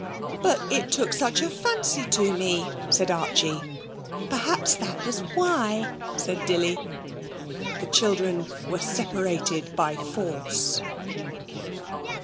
'But it took such a fancy to me,' said Archie. 'Perhaps that was why,' said Dilly. The children were separated by force.